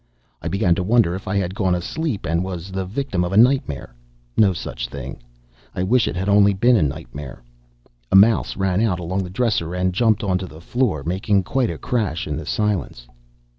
I began to wonder if I had gone asleep, and was the victim of a nightmare. No such thing. I wish it had only been a nightmare. A mouse ran out along the dresser and jumped on to the floor, making quite a crash in the silence.